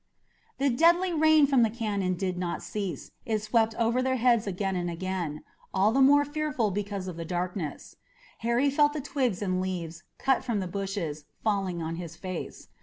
The deadly rain from the cannon did not cease. It swept over their heads again and again, all the more fearful because of the darkness. Harry felt the twigs and leaves, cut from the bushes, falling on his face.